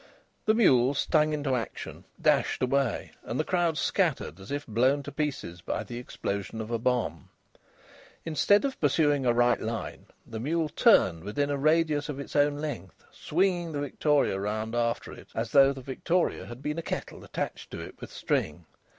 The mule, stung into action, dashed away, and the crowd scattered as if blown to pieces by the explosion of a bomb. Instead of pursuing a right line the mule turned within a radius of its own length, swinging the victoria round after it as though the victoria had been a kettle attached to it with string.